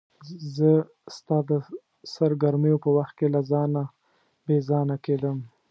زه ستا د سرګرمیو په وخت کې له ځانه بې ځانه کېدم.